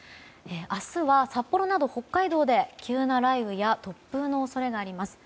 明日は札幌など北海道で急な雷雨や突風の恐れがあります。